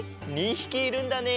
２ひきいるんだね。